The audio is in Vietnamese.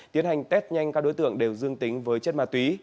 tiến hành test nhanh các đối tượng đều dương tính với chất ma túy